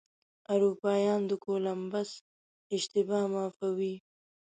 اروپایان د کولمبس اشتباه معافوي.